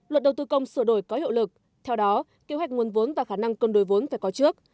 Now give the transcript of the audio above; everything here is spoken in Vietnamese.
luật đầu tư công sửa đổi có hiệu lực theo đó kế hoạch nguồn vốn và khả năng cân đối vốn phải có trước